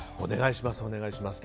お願いします